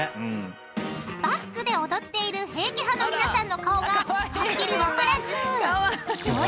［バックで踊っている平家派の皆さんの顔がはっきり分からず］